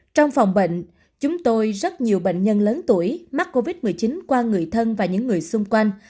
trong phòng bệnh chúng tôi rất nhiều bệnh nhân lớn tuổi mắc covid một mươi chín qua người thân và những người xung quanh